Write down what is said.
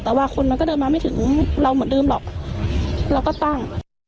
แต่ว่าคนมันก็เดินมาไม่ถึงเราเหมือนเดิมหรอกเราก็ตั้ง